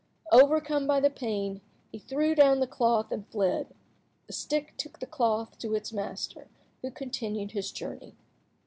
Overcome by the pain, he threw down the cloth and fled. The stick took the cloth to its master, who continued his journey.